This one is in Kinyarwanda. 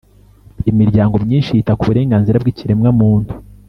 imiryango myinshi yita ku burenganzira bw'ikiremwamuntu,